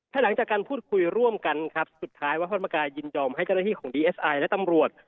หลังจากการพูดคุยร่วมกันครับสุดท้ายวัฒนธรรมกายยินยอมให้เจ้าหน้าที่ของดีเอสไอและตำรวจ